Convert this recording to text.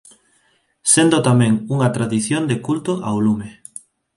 Sendo tamén unha tradición de culto ao lume.